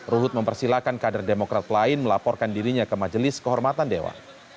ruhut mempersilahkan kader demokrat lain melaporkan dirinya ke majelis kehormatan dewan